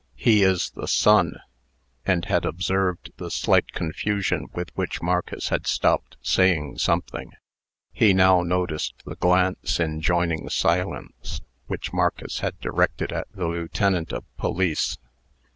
"He is the son " and had observed the slight confusion with which Marcus had stopped saying something. He now noticed the glance enjoining silence, which Marcus had directed at the lieutenant of police.